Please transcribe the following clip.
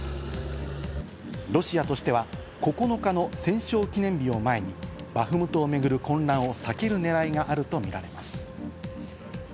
ロシアとしては９日の戦勝記念日を前に、バフムトを巡る混乱を避ける狙いがあるとみられます。